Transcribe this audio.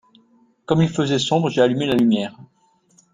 comme il faisait sombre, j'ai allumé la lumière.